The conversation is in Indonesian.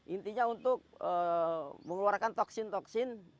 intinya untuk mengeluarkan toksin toksin